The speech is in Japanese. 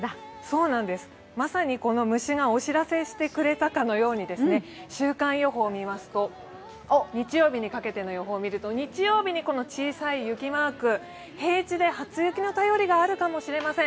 まさにこの虫がお知らせしてくれたかのようにですね、週間予報を見ますと日曜日にかけての予報を見ると日曜日にこの小さい雪マーク、平地で初雪の便りがあるかもしれません。